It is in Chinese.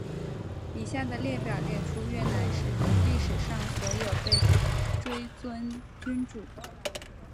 以下的列表列出越南历史上所有被追尊君主。